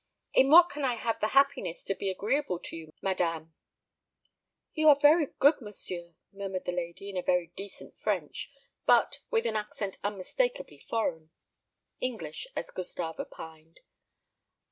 "In what can I have the happiness to be agreeable to you, madame?" "You are very good, monsieur," murmured the lady in very decent French, but with an accent unmistakably foreign English, as Gustave opined.